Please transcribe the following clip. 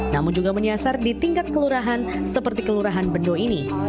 namun juga menyasar di tingkat kelurahan seperti kelurahan bendo ini